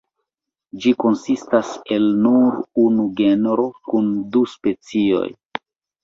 Ĝi konsistas el nur unu genro kun du specioj.